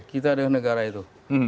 kita dengan negara itu